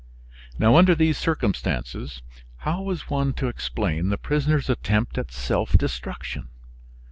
Now, under these circumstances, how was one to explain the prisoner's attempt at self destruction?